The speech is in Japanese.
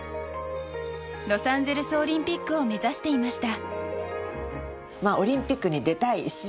ロサンゼルスオリンピックを目指していました。